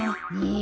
え？